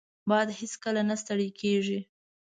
باد هیڅکله نه ستړی کېږي